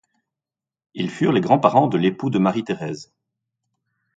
Ils furent les grands-parents de l'époux de Marie-Thérèse.